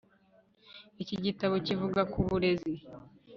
Iki gitabo kivuga ku burezi